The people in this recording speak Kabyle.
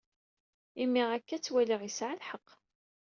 Imi akka, ttwaliɣ yesɛa lḥeqq.